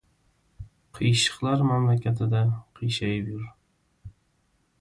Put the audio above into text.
• Qiyshiqlar mamlakatida qiyshayib yur.